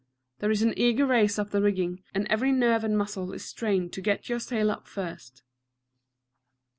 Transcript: There is an eager race up the rigging, and every nerve and muscle is strained to get your sail up first.